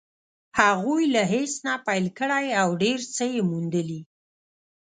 هغوی له هېڅ نه پيل کړی او ډېر څه يې موندلي.